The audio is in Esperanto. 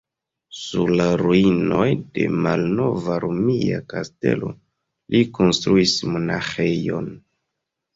Sur la ruinoj de malnova romia kastelo, li konstruis monaĥejon.